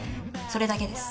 それだけです。